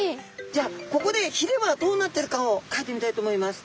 じゃあここでひれはどうなってるかをかいてみたいと思います。